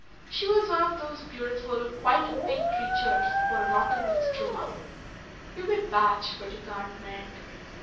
She was one of those beautiful white and pink creatures who are rotten with struma. You may patch but you can't mend."